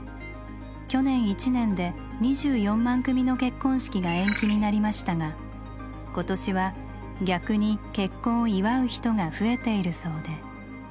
去年１年で２４万組の結婚式が延期になりましたが今年は逆に結婚を「祝う」人が増えているそうで。